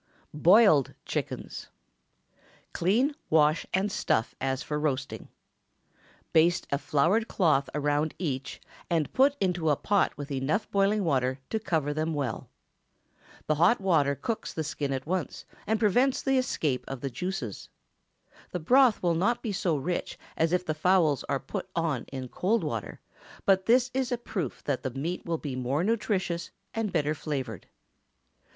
BOILED CHICKENS. Clean, wash, and stuff as for roasting. Baste a floured cloth around each, and put into a pot with enough boiling water to cover them well. The hot water cooks the skin at once, and prevents the escape of the juices. The broth will not be so rich as if the fowls are put on in cold water, but this is a proof that the meat will be more nutritious and better flavored.